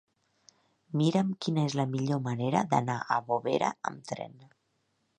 Mira'm quina és la millor manera d'anar a Bovera amb tren.